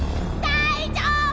大丈夫！